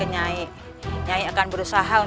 tuhan yang terbaik